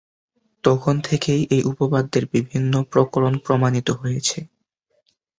তখন থেকেই এই উপপাদ্যের বিভিন্ন প্রকরণ প্রমাণিত হয়েছে।